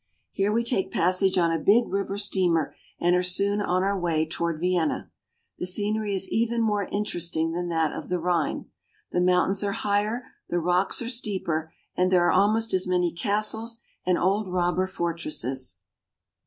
Here we take passage on a big river steamer and are soon on our way toward Vienna. The scenery is even more interesting than that of the Rhine. The mountains are higher, the rocks are steeper, and there are almost as many castles and old robber fortresses.